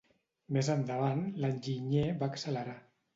Més endavant l'enginyer va accelerar.